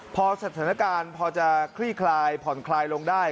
พอสถานการณ์พอจะคลี่คลายผ่อนคลายลงได้